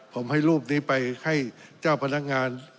ผมให้รูปนี้ไปให้เจ้าพนักงาน